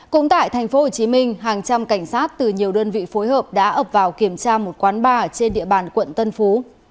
cũng tại tp hcm hàng trăm cảnh sát từ nhiều đơn vị phối hợp đã ập vào kiểm tra một quán bar trên địa bàn quận tân phú